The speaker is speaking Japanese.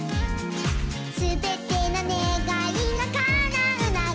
「すべてのねがいがかなうなら」